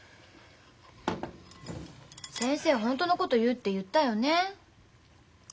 先生ホントのこと言うって言ったよね？